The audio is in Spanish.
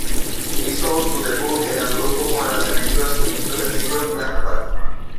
Hizo su debut en el grupo con el lanzamiento de su quinto sencillo "Flashback".